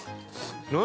何？